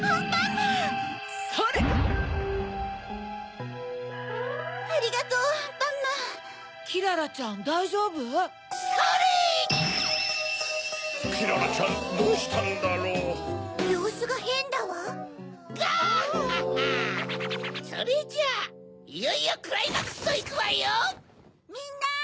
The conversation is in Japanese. ・みんな！